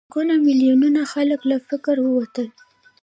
سلګونه میلیونه خلک له فقر ووتل.